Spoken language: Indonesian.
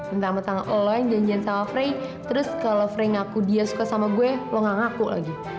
entang entang elo yang janjian sama frey terus kalo frey ngaku dia suka sama gue lu nggak ngaku lagi